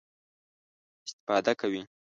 استفاده کوي.